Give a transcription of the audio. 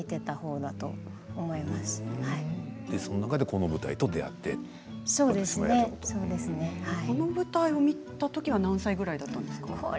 この舞台を見たときは何歳ぐらいだったんですか。